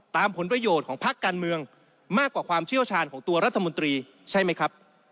ผลประโยชน์ของพักการเมืองมากกว่าความเชี่ยวชาญของตัวรัฐมนตรีใช่ไหมครับ